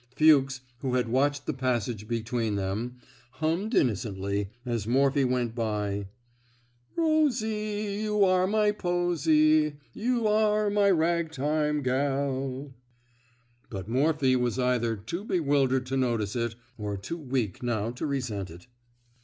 Fuchs, who had watched the passage be tween them, hummed innocently, as Morphy went by :« Rosie, you are my posie, You are my rag time gaL" But Morphy was either too bewildered to notice it, or too weak now to resent it.